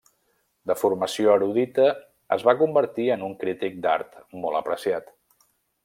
De formació erudita, es va convertir en un crític d'art molt apreciat.